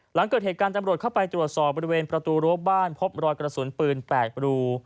หลังเกิดเหตุการณ์จำรวจเข้าไปตรวจสอบบริเวณประตูรั้วบ้านพบรอยกระสุนปืน๘รู